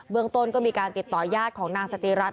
เมืองต้นก็มีการติดต่อยาดของนางสจิรัต